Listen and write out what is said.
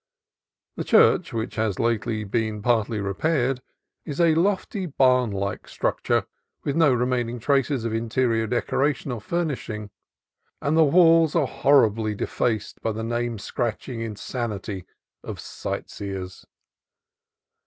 The church, which has lately been partly repaired, is a lofty, barnlike structure, with no remaining traces of interior decoration or furnishing, and the walls are horribly defaced by the name scratching in sanity of sightseers.